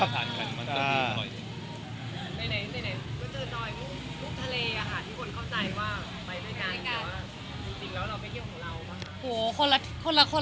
เห็นไหน